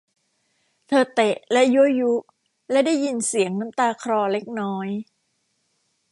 เธอเตะและยั่วยุ และได้ยินเสียงน้ำตาคลอเล็กน้อย